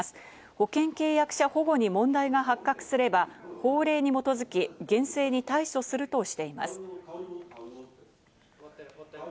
保険契約者保護に問題が発覚すれば、法令に基づき厳正に対処するとしています。